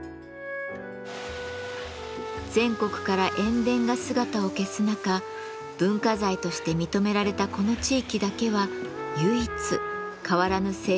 全国から塩田が姿を消す中文化財として認められたこの地域だけは唯一変わらぬ製法が守られました。